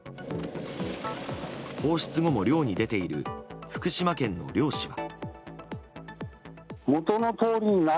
放出後も漁に出ている福島県の漁師は。